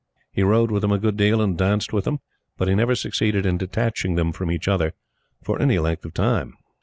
He rode with them a good deal and danced with them, but he never succeeded in detaching them from each other for any length of time.